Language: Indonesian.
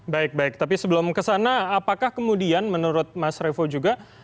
baik baik tapi sebelum kesana apakah kemudian menurut mas revo juga